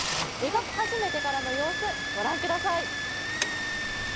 描き始めてからの様子、ご覧ください。